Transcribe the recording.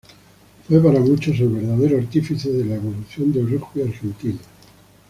Fue para muchos el verdadero artífice de la evolución del rugby argentino.